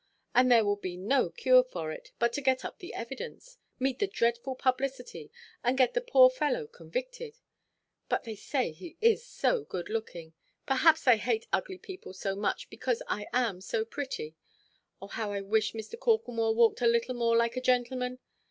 Then there will be no cure for it, but to get up the evidence, meet the dreadful publicity, and get the poor fellow convicted. And they say he is so good–looking! Perhaps I hate ugly people so much, because I am so pretty. Oh, how I wish Mr. Corklemore walked a little more like a gentleman.